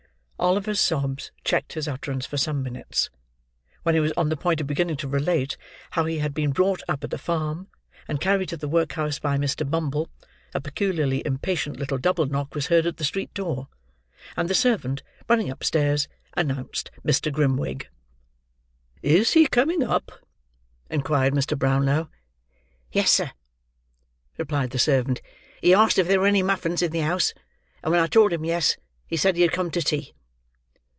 Oliver's sobs checked his utterance for some minutes; when he was on the point of beginning to relate how he had been brought up at the farm, and carried to the workhouse by Mr. Bumble, a peculiarly impatient little double knock was heard at the street door: and the servant, running upstairs, announced Mr. Grimwig. "Is he coming up?" inquired Mr. Brownlow. "Yes, sir," replied the servant. "He asked if there were any muffins in the house; and, when I told him yes, he said he had come to tea."